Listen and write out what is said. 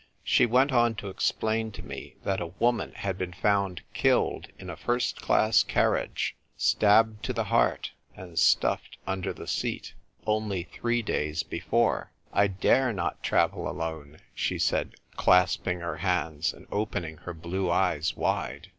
She went on to explain to me that a woman had been found killed in a first class carriage — stabbed to the heart, and stuffed under the seat — only three days before, "I dare not travel alone," she said, clasp ing her hands and opening her blue eyes wide.